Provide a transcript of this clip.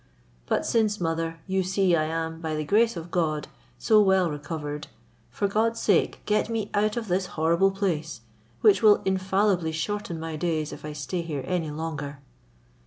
But since, mother, you see I am, by the grace of God, so well recovered, for God's sake get me out of this horrible place, which will infallibly shorten my days if I stay here any longer."